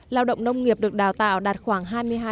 lao động nông nghiệp được đào tạo đạt khoảng hai mươi hai